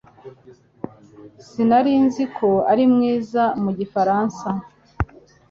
Sinari nzi ko uri mwiza mu gifaransa.